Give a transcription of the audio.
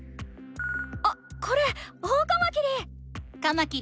あっこれオオカマキリ！